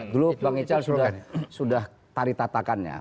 groove bang ichal sudah tari tatakannya